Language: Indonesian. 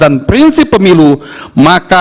dan prinsip pemilu maka